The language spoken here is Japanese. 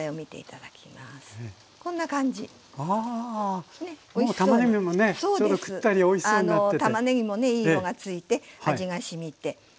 たまねぎもねいい色がついて味がしみて。